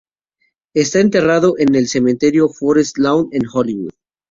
Está enterrado en el cementerio de Forest Lawn en Hollywood.